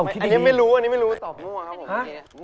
อันนี้ไม่รู้อันนี้ไม่รู้ตอบมั่วครับผม